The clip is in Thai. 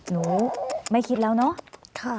หนูไม่คิดแล้วเนาะ